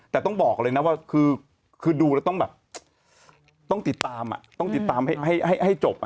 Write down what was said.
แต่ต้องบอกเลยนะว่าคือดูแล้วต้องแบบต้องติดตามต้องติดตามให้จบ